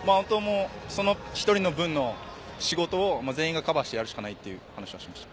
１人の分の仕事を全員がカバーしてやるしかないという話をしました。